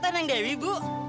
itu itu neng dewi bu